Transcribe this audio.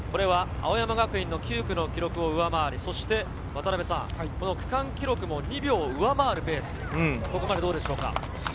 青山学院の９区の記録を上回り、区間記録も２秒上回るペース、ここまでどうでしょうか？